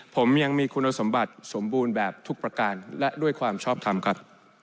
ผมยังมีคุณสมบัติสมบูรณ์แบบทุกประการและด้วยความชอบทำครับ